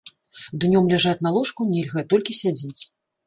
Днём ляжаць на ложку нельга, толькі сядзець.